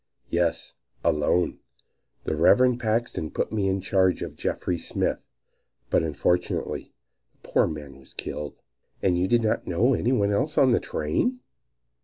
"Yes, alone; the Reverend Paxton put me in charge of Jeffries Smith; but unfortunately the poor man was killed." "And you did not know any one else on the train?"